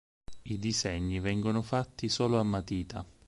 I disegni vengono fatti solo a matita.